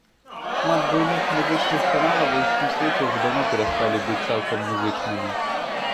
Шмат буйных музычных каналаў ва ўсім свеце ўжо даўно перасталі быць цалкам музычнымі.